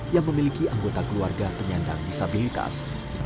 yang memiliki anggota keluarga penyandang disabilitas